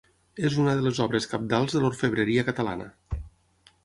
És una de les obres cabdals de l'orfebreria catalana.